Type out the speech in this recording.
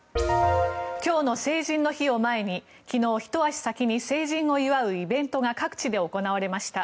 今日の成人の日を前に昨日、ひと足先に成人を祝うイベントが各地で行われました。